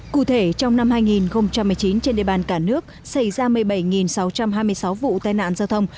cụ thể trong năm hai nghìn một mươi chín trên địa bàn cả nước xảy ra một mươi bảy sáu trăm hai mươi sáu vụ tai nạn giao thông